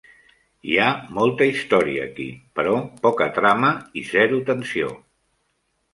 Hi ha molta història aquí, però poca trama i zero tensió.